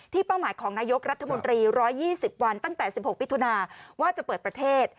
เป้าหมายของนายกรัฐมนตรี๑๒๐วันตั้งแต่๑๖มิถุนาว่าจะเปิดประเทศ